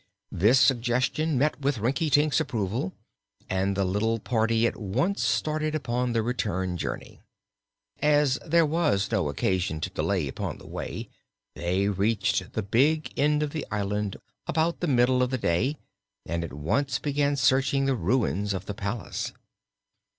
This suggestion met with Rinkitink's approval and the little party at once started upon the return journey. As there was no occasion to delay upon the way, they reached the big end of the island about the middle of the day and at once began searching the ruins of the palace.